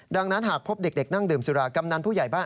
ดังนั้นหากพบเด็กนั่งดื่มสุรากำนันผู้ใหญ่บ้าน